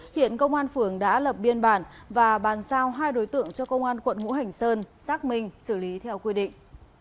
hiện công an phường đã lập biên bản và bàn giao hai đối tượng cho công an quận ngũ hành sơn xác minh xử lý theo quy định